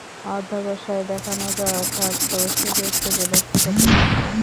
অধ্যবসায় দেখানোর যথার্থ সুযোগ থাকে ব্যক্তিগত জীবনে।